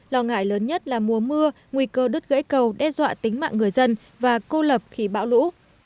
lo ngại lớn nhất là mùa mưa nguy cơ đứt gãy cầu đe dọa tính mạng người dân và cô lập khi bão lũ